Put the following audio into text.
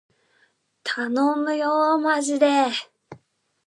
たのむよーまじでー